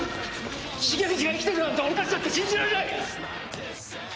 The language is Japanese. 重藤が生きてるなんて俺たちだって信じられない！